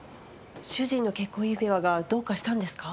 主人の結婚指輪がどうかしたんですか？